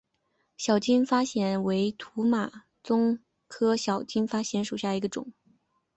小金发藓为土马鬃科小金发藓属下的一个种。